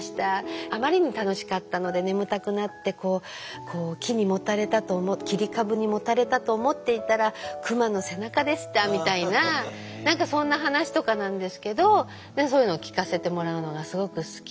あまりに楽しかったので眠たくなって木にもたれたと切り株にもたれたと思っていたらクマの背中でした」みたいな何かそんな話とかなんですけどそういうのを聞かせてもらうのがすごく好きで。